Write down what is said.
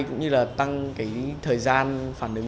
cũng như là tăng cái thời gian phản ứng